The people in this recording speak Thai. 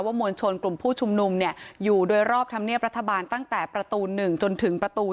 มวลชนกลุ่มผู้ชุมนุมเนี่ยอยู่โดยรอบธรรมเนียบรัฐบาลตั้งแต่ประตู๑จนถึงประตู